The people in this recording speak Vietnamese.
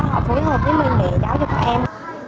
họ phối hợp với mình để giáo dục các em